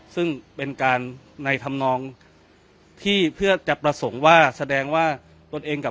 ซึ่งเป็นการในธรรมนองที่เพื่อจะประสงค์ว่าแสดงว่าตนเองกับ